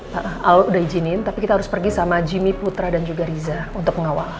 pak al udah izinin tapi kita harus pergi sama jimmy putra dan juga riza untuk mengawal